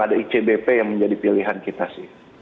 kita bilang ada icbp yang menjadi pilihan kita sih